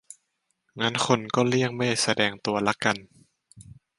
งั้นคนก็เลี่ยงไม่แสดงตัวละกัน